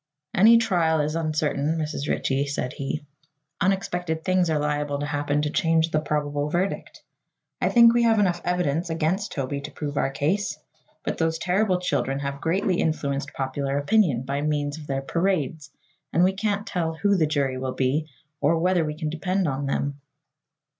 "Any trial is uncertain, Mrs. Ritchie," said he. "Unexpected things are liable to happen to change the probable verdict. I think we have enough evidence against Toby to prove our case, but those terrible children have greatly influenced popular opinion by means of their parades and we can't tell who the jury will be, or whether we can depend on them."